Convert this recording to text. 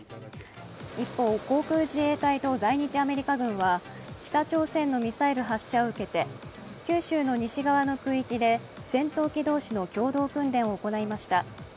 一方、航空自衛隊と在日アメリカ軍は北朝鮮のミサイル発射を受けて九州の西側の空域で戦闘機同士の共同訓練を行いました。